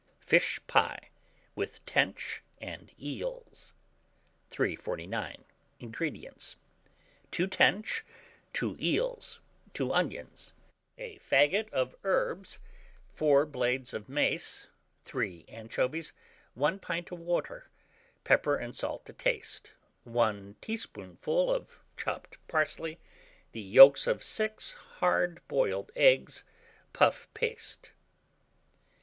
FISH PIE, WITH TENCH AND EELS. 349. INGREDIENTS. 2 tench, 2 eels, 2 onions, a faggot of herbs, 4 blades of mace, 3 anchovies, 1 pint of water, pepper and salt to taste, 1 teaspoonful of chopped parsley, the yolks of 6 hard boiled eggs, puff paste.